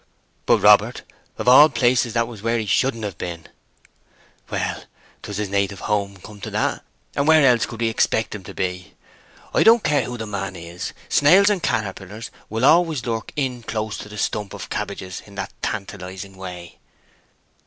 "But, Robert, of all places, that was where he shouldn't have been!" "Well, 'twas his native home, come to that; and where else could we expect him to be? I don't care who the man is, snails and caterpillars always will lurk in close to the stump of cabbages in that tantalizing way."